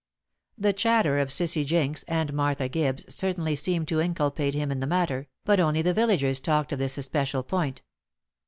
The chatter of Cissy Jinks and Martha Gibbs certainly seemed to inculpate him in the matter, but only the villagers talked of this especial point.